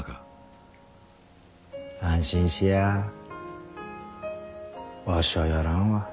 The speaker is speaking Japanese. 安心しやわしゃやらんわ。